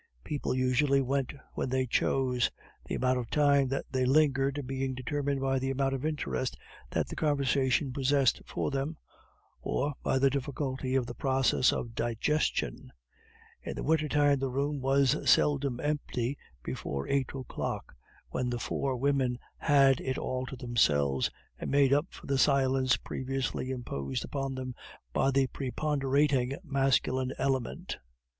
People usually went when they chose; the amount of time that they lingered being determined by the amount of interest that the conversation possessed for them, or by the difficulty of the process of digestion. In winter time the room was seldom empty before eight o'clock, when the four women had it all to themselves, and made up for the silence previously imposed upon them by the preponderating masculine element.